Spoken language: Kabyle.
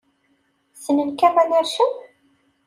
Ssnen Kamel Ircen?